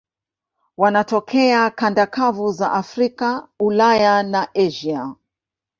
Wanatokea kanda kavu za Afrika, Ulaya na Asia.